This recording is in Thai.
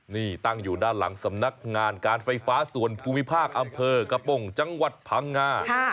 นี่ตั้งอยู่ด้านหลังสำนักงานการไฟฟ้าส่วนภูมิภาคอำเภอกระโปรงจังหวัดพังงา